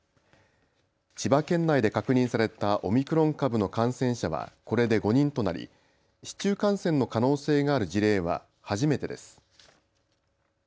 千葉県内で確認されたオミクロン株の感染者はこれで５人となり市中感染の可能性がある事例は初めてです。